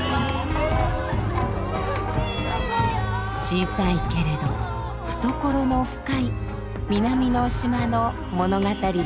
小さいけれど懐の深い南の島の物語です。